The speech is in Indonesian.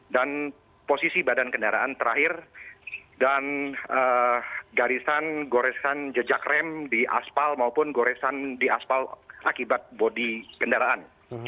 dan posisi badan kendaraan terakhir dan garisan goresan jejak rem di aspal maupun goresan di aspal akibat bodi kendaraan